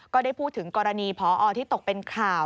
ก็ได้พูดถึงกรณีพอที่ตกเป็นข่าว